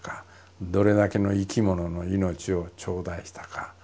どれだけの生き物の命を頂戴したか。